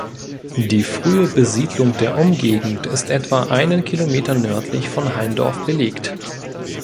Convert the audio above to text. Die frühe Besiedlung der Umgegend ist etwa einen Kilometer nördlich von Haindorf belegt.